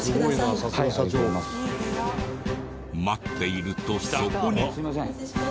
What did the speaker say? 待っているとそこに。